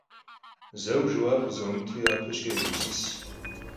Зэуэ жэуап къызумыту, япэ щӏыкӏэ, егупсыс.